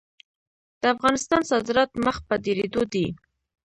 د افغانستان صادرات مخ په ډیریدو دي